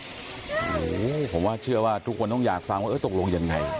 โอ้โหผมว่าเชื่อว่าทุกคนต้องอยากฟังว่าเออตกลงยังไง